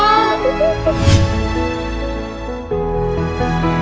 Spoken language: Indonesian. aku bisa ikut dengan membagikan wang